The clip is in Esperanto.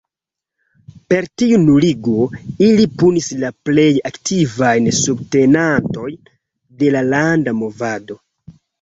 Per tiu nuligo, ili punis la plej aktivajn subtenantojn de la landa movado.